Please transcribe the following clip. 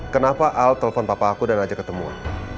kenapa al telpon papa aku dan ajak ketemu aku